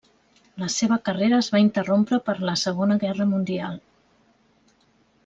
La seva carrera es va interrompre per la Segona Guerra mundial.